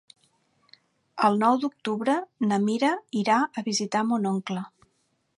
El nou d'octubre na Mira irà a visitar mon oncle.